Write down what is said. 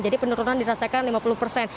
jadi penurunan dirasakan lima puluh persen